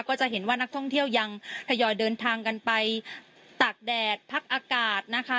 ก็จะเห็นว่านักท่องเที่ยวยังทยอยเดินทางกันไปตากแดดพักอากาศนะคะ